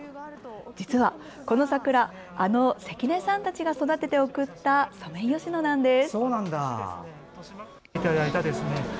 実はこの桜あの関根さんたちが育てて贈ったソメイヨシノなんです。